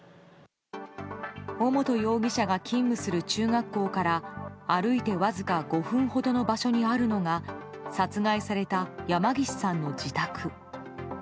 尾本容疑者が勤務する中学校から歩いてわずか５分ほどの場所にあるのが殺害された山岸さんの自宅。